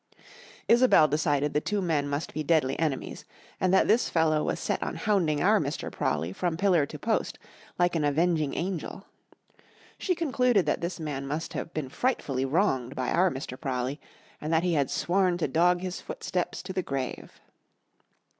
Isobel decided the two men must be deadly enemies, and that this fellow was set on hounding our Mr. Prawley from pillar to post, like an avenging angel. She concluded that this man must have been frightfully wronged by our Mr. Prawley, and that he had sworn to dog his footsteps to the grave.